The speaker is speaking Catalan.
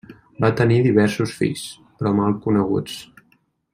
Va tenir diversos fills però mal coneguts.